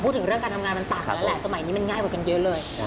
พูดถึงเรื่องการทำงานมันต่างกันแล้วแหละสมัยนี้มันง่ายกว่ากันเยอะเลย